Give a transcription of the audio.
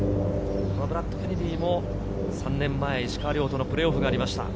ブラッド・ケネディも３年前、石川遼とのプレーオフがありました。